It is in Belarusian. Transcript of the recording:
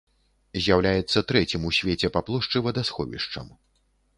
З'яўляецца трэцім ў свеце па плошчы вадасховішчам.